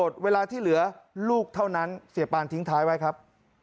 เวลาที่เหลือลูกเท่านั้นเสียปานทิ้งท้ายไว้ครับ